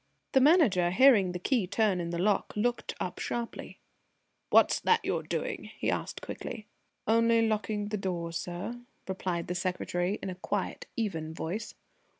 The Manager, hearing the key turn in the lock, looked up sharply. "What's that you're doing?" he asked quickly. "Only locking the door, sir," replied the secretary in a quite even voice.